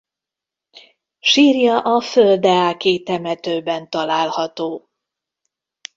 Sírja a földeáki temetőben található.